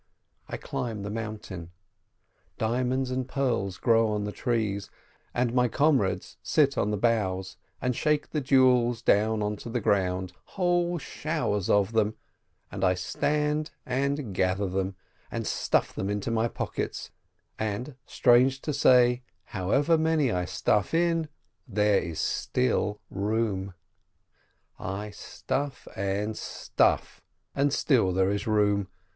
I climb the mountain. Diamonds and pearls grow on the trees, and my comrades sit on the boughs, and shake the jewels down onto the ground, whole showers of them, and I stand and gather them, and stuff them into my pockets, and, strange to say, however many I stuff in, there is still room! I stuff and stuff, and still there is room!